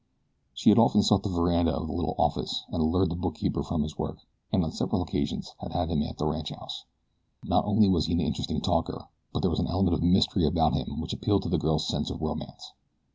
She had often sought the veranda of the little office and lured the new bookkeeper from his work, and on several occasions had had him at the ranchhouse. Not only was he an interesting talker; but there was an element of mystery about him which appealed to the girl's sense of romance.